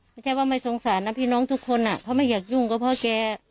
ไม่ใช่ว่าไม่สงสารนะพี่น้องทุกคนอ่ะเขาไม่อยากยุ่งก็เพราะแก